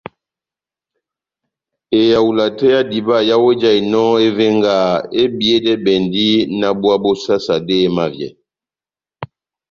Ehawula tɛ́h ya diba yawu ejahinɔ evengaha ebiyedɛbɛndi náh búwa bó sasade emavyɛ.